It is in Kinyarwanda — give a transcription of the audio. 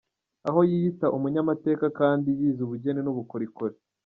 Aho yiyitaga umunyamateka, kandi yize ubugeni n’ubukorikori.